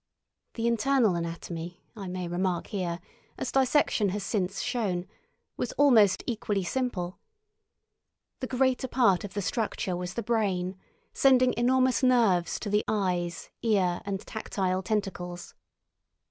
The internal anatomy, I may remark here, as dissection has since shown, was almost equally simple. The greater part of the structure was the brain, sending enormous nerves to the eyes, ear, and tactile tentacles.